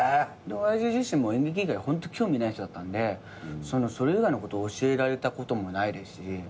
親父自身も演劇以外ホント興味ない人だったんでそれ以外のこと教えられたこともないですし。